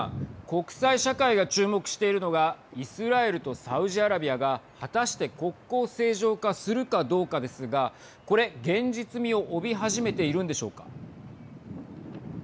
国際社会が注目しているのがイスラエルとサウジアラビアが果たして国交正常化するかどうかですがこれ、現実味を帯び始めているんでしょうか。